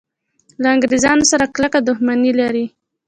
له انګریزانو سره کلکه دښمني لري.